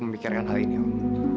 memikirkan hal ini om